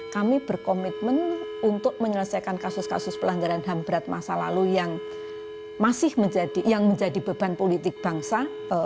kami berkomitmen untuk menyelesaikan kasus kasus pelanggaran ham berat masa lalu yang menjadi beban politik bangsa